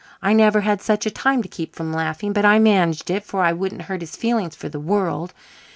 I never had such a time to keep from laughing, but I managed it, for I wouldn't hurt his feelings for the world.